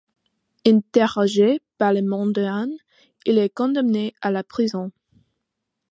Interrogé par le mandarin, il est condamné à la prison.